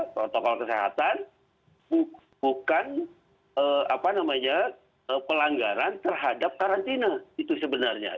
protokol kesehatan bukan pelanggaran terhadap karantina itu sebenarnya